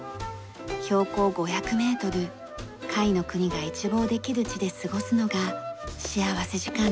標高５００メートル甲斐の国が一望できる地で過ごすのが幸福時間です。